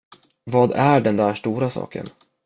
Vad är den där stora saken?